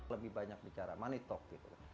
lebih banyak bicara money talk gitu